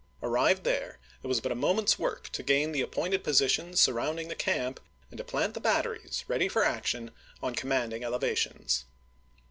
Arrived there, it was but a moment's work to gain the appointed positions surrounding the camp, and to plant the batteries, ready for action, on commanding eleva tions.